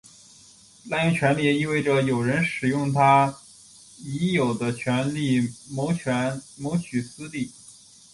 滥用权力也意味着有人使用他已有的权力谋取私利。